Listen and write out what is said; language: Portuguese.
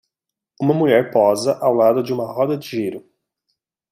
Uma mulher posa ao lado de uma roda de giro.